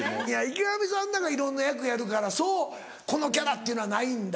池上さんなんかいろんな役やるからそうこのキャラっていうのはないんだ。